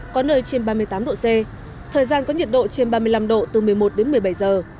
có nơi trên ba mươi tám độ c thời gian có nhiệt độ trên ba mươi năm độ từ một mươi một đến một mươi bảy giờ